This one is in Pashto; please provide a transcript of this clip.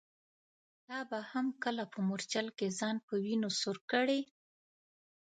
ته به هم کله په مورچل کي ځان په وینو سور کړې ؟